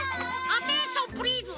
アテンションプリーズ！